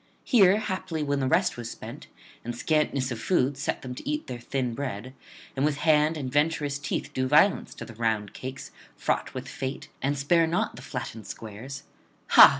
Here haply when the rest was spent, and scantness of food set them to eat their thin bread, and with hand and venturous teeth do violence to the round cakes fraught with fate and spare not the flattened squares: _Ha!